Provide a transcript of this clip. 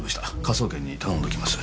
科捜研に頼んでおきます。